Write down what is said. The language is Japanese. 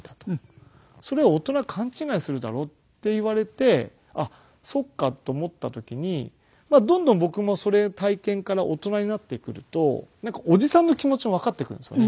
「それは大人勘違いするだろう」って言われてあっそっかと思った時にどんどん僕もそれ体験から大人になってくるとおじさんの気持ちもわかってくるんですよね。